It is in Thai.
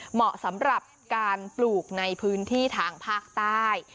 เหมาะสำหรับการปลูกในพื้นที่ทางภาคใต้